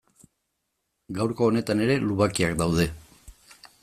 Gaurko honetan ere lubakiak daude.